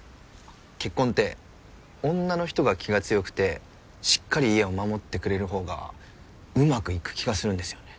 結婚って女の人が気が強くてしっかり家を守ってくれる方がうまくいく気がするんですよね。